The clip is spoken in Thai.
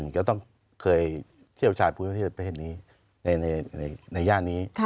๑ก็ต้องเชี่ยวชาติให้โปรนี้ในหญ้านี้